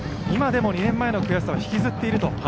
今でも２年前の悔しさを引きずっていると。